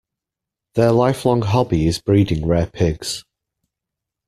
Their lifelong hobby is breeding rare pigs.